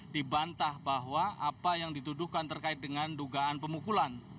dibantah bahwa apa yang dituduhkan terkait dengan dugaan pemukulan